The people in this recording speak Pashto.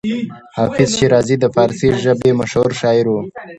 حافظ شیرازي د فارسي ژبې مشهور شاعر و.